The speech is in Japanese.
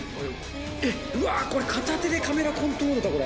うわっ、これ、片手でカメラコントロールか。